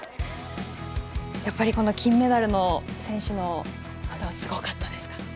やっぱり金メダルの選手の技はすごかったですか？